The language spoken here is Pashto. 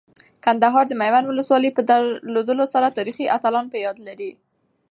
کندهار د میوند ولسوالۍ په درلودلو سره تاریخي اتلان په یاد لري.